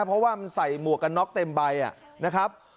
เพราะว่ามันใส่หมวกกันน็อกเต็มใบนะครับ